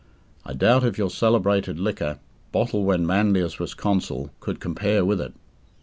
I doubt if your celebrated liquor, bottled when Manlius was consul, could compare with it.